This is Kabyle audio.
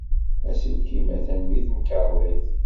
Aselkim atan deg temkarḍit.